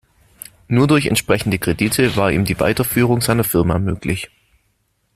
Nur durch entsprechende Kredite war ihm die Weiterführung seiner Firma möglich.